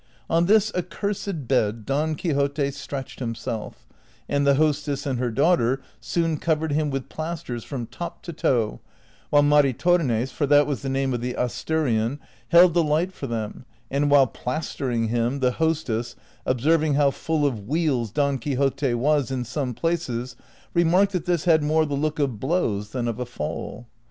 On this accursed bed Don Quixote stretched himself, and the hostess and her daughter soon covered him with plasters from top to toe, while Maritornes — for that was the name of the Asturian — held the light for them, and while plastering him, the hostess, observing how full of Avheals Don Quixote was in some places, remarked that this had more the look of blows than of a fall.